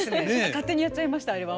勝手にやっちゃいましたあれは。